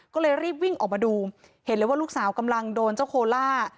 ก็เลยรีบวิ่งออกมาดูเห็นเลยว่าลูกสาวกำลังโดนเจ้าโคล่า